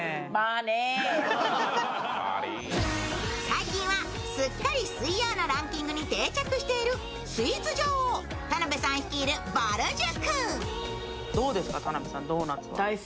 最近はすっかり水曜のランキングに定着しているスイーツ女王・田辺さん率いるぼる塾。